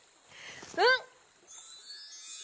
うん！